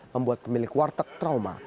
membuat pemilik warteg trauma